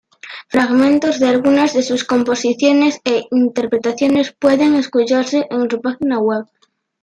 Fragmentos de algunas de sus composiciones e interpretaciones pueden escucharse en su página web.